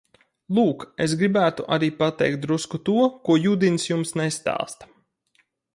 Lūk, es gribētu arī pateikt drusku to, ko Judins jums nestāsta.